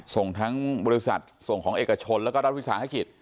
ส่งทั้งบริษัทส่งของเอกชนแล้วก็รัฐวิสาหกิจ